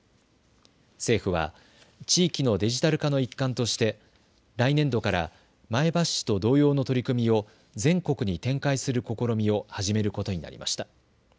政府は地域のデジタル化の一環として来年度から前橋市と同様の取り組みを全国に展開する試みを始めることになりました。